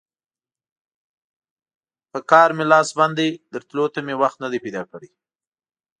پر کار مې لاس بند دی؛ درتلو ته مې وخت نه دی پیدا کړی.